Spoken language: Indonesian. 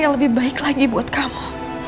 yang lebih baik lagi buat kamu